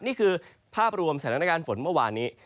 นี่คือภาพรวมสถานการณ์ฝนเมื่อวานนี้